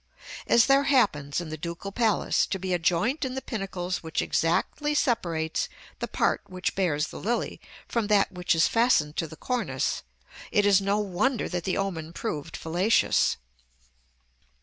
As there happens, in the Ducal Palace, to be a joint in the pinnacles which exactly separates the "part which bears the lily" from that which is fastened to the cornice, it is no wonder that the omen proved fallacious.